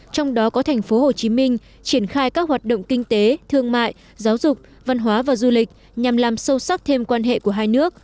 trong đó có thành phố hồ chí minh triển khai các hoạt động kinh tế thương mại giáo dục văn hóa và du lịch nhằm làm sâu sắc thêm quan hệ của hai nước